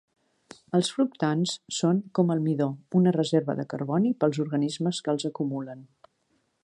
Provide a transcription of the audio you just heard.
Els fructans són, com el midó, una reserva de carboni pels organismes que els acumulen.